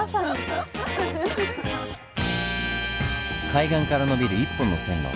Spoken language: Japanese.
海岸から延びる一本の線路。